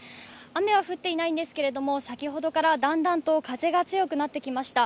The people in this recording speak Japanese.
雨は降っていないんですけれども先ほどからだんだんと風が強くなってきました。